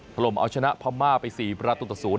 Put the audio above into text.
พระรมเอาชนะพระม่าไปสี่ประตูต่อศูนย์